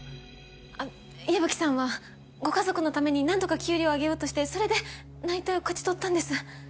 あっ矢吹さんはご家族のために何とか給料を上げようとしてそれで内定を勝ち取ったんです。